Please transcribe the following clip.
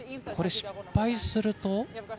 これ、失敗すると？